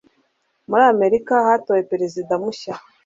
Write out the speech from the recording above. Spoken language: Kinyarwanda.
Muri amerika hatowe perezida mushya